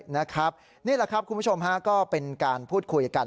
นี่แหละครับคุณผู้ชมฮะก็เป็นการพูดคุยกัน